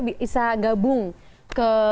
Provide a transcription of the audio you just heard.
bisa gabung ke